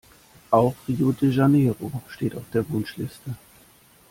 Auch Rio de Janeiro steht auf der Wunschliste.